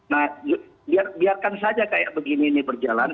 nah biarkan saja kayak begini ini berjalan